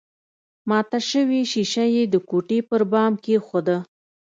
ماته شوې ښيښه يې د کوټې پر بام کېښوده